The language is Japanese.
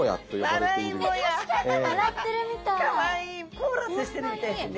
コーラスしてるみたいですね。